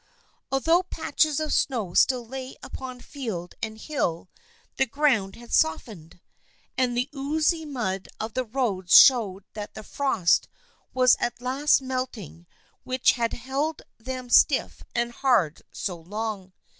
Al though patches of snow still lay upon field and hill the ground had softened, and the oozy mud of the roads showed that the frost was at last melt ing which had held them stiff and hard so long.